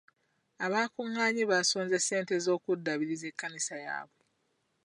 Abaakungaanye baasonze ssente z'okuddabiriza ekkanisa yaabwe.